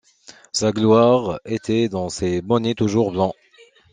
Sa gloire était dans ses bonnets toujours blancs.